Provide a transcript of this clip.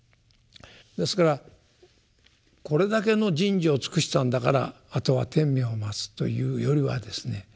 ですからこれだけの人事を尽くしたんだからあとは天命を待つというよりはですね